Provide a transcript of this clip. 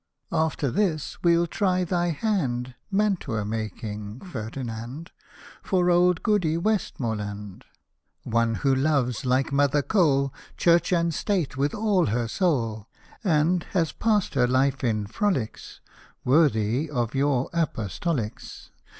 After this, we'll try thy hand, Mantua making Ferdinand, For old Goody W — stm — 1 — d ; One who loves, like Mother Cole, Church and State with all her soul ; And has passed her life in frolics Worthy of your Apostolics.